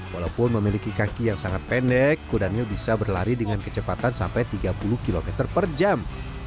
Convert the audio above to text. walaupun memiliki kaki yang sangat pendek kudanil bisa berlari dengan kecepatan sampai tiga puluh km per jam